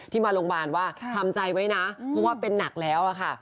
มาโรงพยาบาลว่าทำใจไว้นะเพราะว่าเป็นหนักแล้วค่ะ